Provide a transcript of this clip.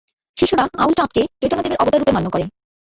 শিষ্যরা আউলচাঁদকে চৈতন্যদেবের অবতাররূপে মান্য করে।